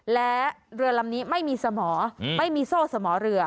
และเรือลำนี้ไม่มีสมอไม่มีโซ่สมอเรือ